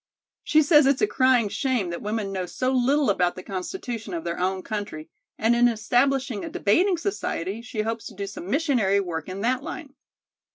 She says it's a crying shame that women know so little about the constitution of their own country, and in establishing a debating society, she hopes to do some missionary work in that line."